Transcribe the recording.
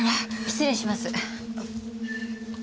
失礼します。